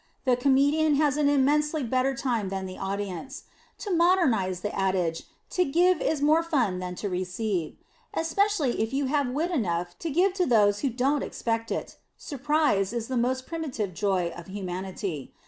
The comedian has an immensely better time than the audience. To modernize the adage, to give is more fun than to receive. Especially if you have wit enough to give to those who don't expect it. Surprise is the most primitive joy of humanity.